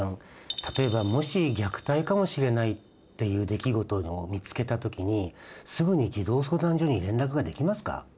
例えばもし虐待かもしれないっていう出来事を見つけた時にすぐに児童相談所に連絡ができますか？